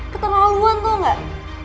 keterlaluan tau nggak